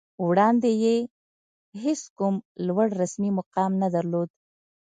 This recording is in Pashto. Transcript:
وړاندې یې هېڅ کوم لوړ رسمي مقام نه درلود